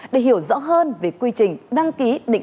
để hiểu rõ hơn về quy trình đăng ký định danh điện tử